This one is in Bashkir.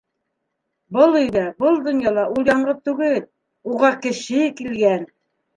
Был өйҙә, был донъяла ул яңғыҙ түгел, уға Кеше килгән.